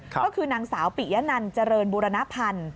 ก็คือนางสาวปิยะนันเจริญบูรณพันธ์